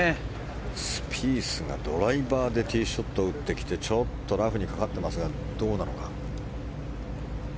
スピースがドライバーでティーショットを打ってきてちょっとラフにかかってますがどうなのか。